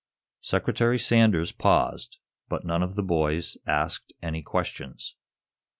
Secretary Sanders paused, but none of the three boys asked any questions.